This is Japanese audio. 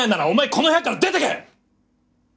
この部屋から出ていけ！